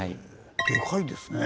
でかいですね。